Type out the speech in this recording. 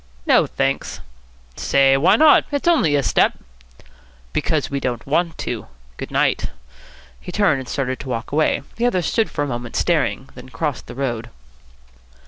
"No, thanks." "Say, why not? It's only a step." "Because we don't want to. Good night." He turned, and started to walk away. The other stood for a moment, staring; then crossed the road.